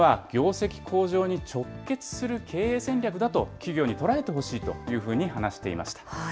ですから、睡眠は業績向上に直結する経営戦略だと企業に捉えてほしいというふうに話していました。